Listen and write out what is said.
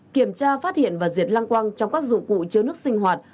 một kiểm tra phát hiện và diệt lang quang trong các dụng cụ chứa nước sinh hoạt